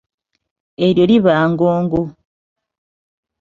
Eryo liba ngongo.